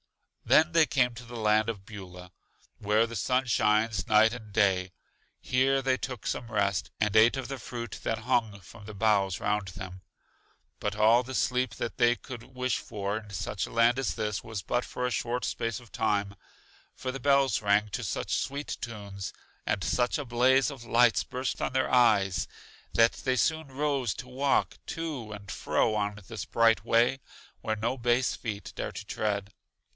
Then they came to the land of Beulah, where the sun shines night and day. Here they took some rest, and ate of the fruit that hung from the boughs round them. But all the sleep that they could wish for in such a land as this was but for a short space of time; for the bells rang to such sweet tunes, and such a blaze of lights burst on their eyes, that they soon rose to walk to and fro on this bright way, where no base feet dare to tread.